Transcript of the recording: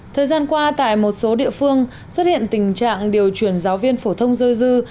thời gian qua tại một số địa phương xuất hiện tình trạng điều chuyển giáo viên phổ thông dôi dư